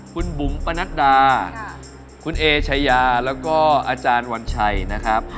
คุณบุ๋มปนัดดาคุณเอชายาแล้วก็อาจารย์วันชัยนะครับ